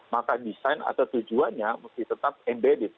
maka desain atau tujuannya mesti tetap embed